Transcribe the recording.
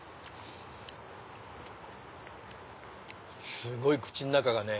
すごい口の中がね